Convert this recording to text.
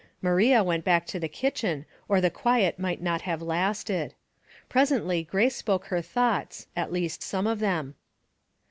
Maria went back to the kitchen or the quiet might not have lasted. Presently Grace spoke her thoughts, at least some of them.